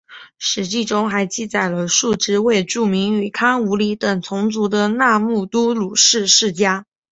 史籍中还记载了数支未注明与康武理等同族的那木都鲁氏世家。